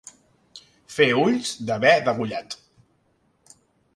Fer ulls de be degollat.